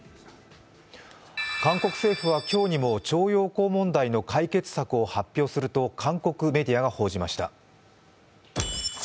韓国政府は今日にも徴用工問題の解決策を発表すると韓国メディアが報じました。